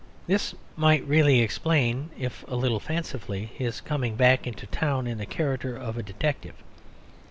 This might really explain, if a little fancifully, his coming back to the town in the character of a detective.